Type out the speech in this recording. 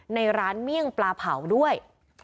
ในร้านเมี่ยงปลาเผาด้วย